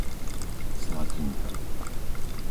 Slatinka